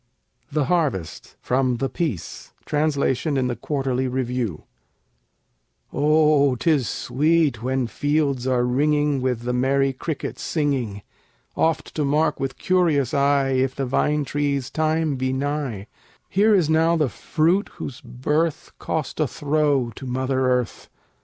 THE HARVEST From 'The Peace': Translation in the Quarterly Review Oh, 'tis sweet, when fields are ringing With the merry cricket's singing, Oft to mark with curious eye If the vine tree's time be nigh: Here is now the fruit whose birth Cost a throe to Mother Earth.